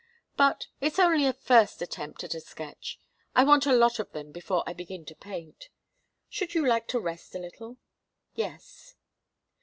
"But it's only a first attempt at a sketch. I want a lot of them before I begin to paint. Should you like to rest a little?" "Yes."